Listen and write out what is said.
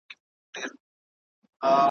چي دي سوز دی په غزل کي چي لمبه دي هر کلام دی `